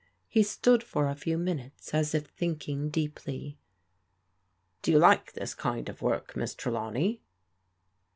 He stood for a few minutes as if thinking deeply. " Do you like this kind of work, Miss Trelawney?"